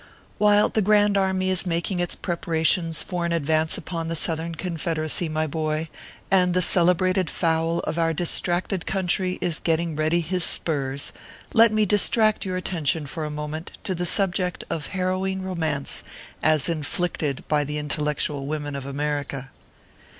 WHILE the Grand Army is making its preparations for an advance upon the Southern Confederacy, my boy, and the celebrated fowl of our distracted coun try is getting ready his spurs, let me distract your attention for a moment to the subject of harrowing Romance as inflicted by the intellectual women of America.